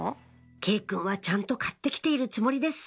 慶くんはちゃんと買って来ているつもりです